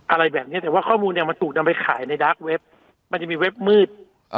อะไรแบบเนี้ยแต่ว่าข้อมูลเนี้ยมันถูกนำไปขายในดาร์กเว็บมันจะมีเว็บมืด